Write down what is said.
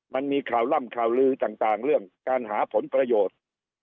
มันมีข่าวล่ำข่าวลือต่างเรื่องการหาผลประโยชน์